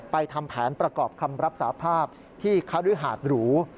ทำแผนประกอบคำรับสาภาพที่คฤหาดหรู